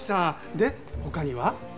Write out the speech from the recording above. で他には？